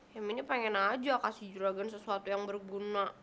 ya mainnya pengen aja kasih juragan sesuatu yang berguna